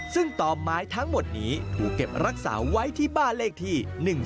ซึ่งต่อไม้ทั้งหมดนี้ถูกเก็บรักษาไว้ที่บ้านเลขที่๑๔